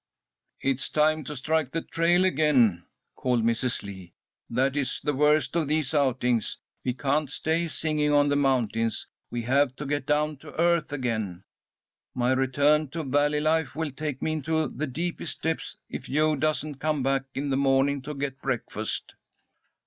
"It's time to strike the trail again," called Mrs. Lee. "That is the worst of these outings. We can't stay singing on the mountains. We have to get down to earth again. My return to valley life will take me into the deepest depths if Jo doesn't come back in the morning to get breakfast."